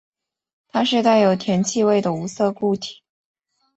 它是带有甜气味的无色固体。